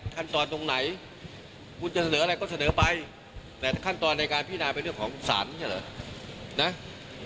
ตรงไหนคุณจะเสนออะไรก็เสนอไปแต่ขั้นตอนในการพินาเป็นเรื่องของสารไม่ใช่เหรอนะ